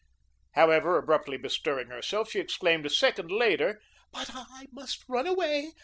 However, abruptly bestirring herself, she exclaimed a second later: "But I must run away.